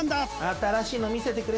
新しいの見せてくれ。